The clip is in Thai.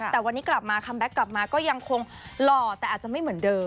แต่วันนี้กลับมาคัมแก๊กกลับมาก็ยังคงหล่อแต่อาจจะไม่เหมือนเดิม